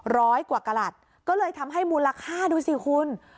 ร้อยกว่ากระหลัดก็เลยทำให้มูลค่าดูสิคุณ